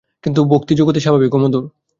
কিন্তু ভক্তিযোগ অতি স্বাভাবিক ও মধুর।